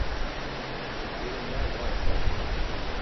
Helena est dans la salle.